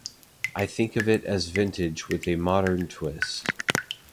I think of it as vintage with a modern twist.